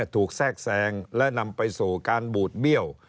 แทรกแซงและนำไปสู่การบูดเบี้ยว